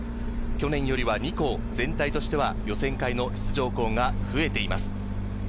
去年よりは２校、全体としては予選会の出場校が増えています。